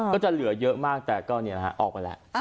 ก็จะเหลือเยอะมากแต่ก็ออกไปแล้ว